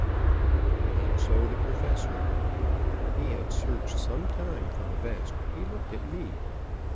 But not so the Professor. When he had searched some time for the vest, he looked at me.